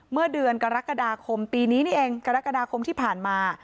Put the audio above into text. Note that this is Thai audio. เมื่อเดือนกรกฎาคมปีนี้นี่เองกรกฎาคมที่ผ่านมา